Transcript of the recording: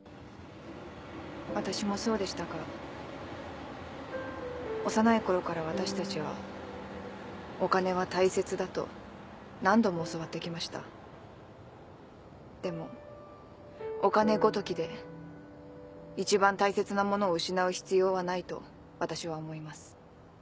私もそうでしたが幼い頃から私たちは「お金は大切だ」と何度も教わってきましたでもお金ごときで一番大切なものを失う必要はないと私は思います